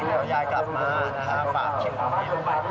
เดี๋ยอยายกลับมาฝากคิวของฉันไป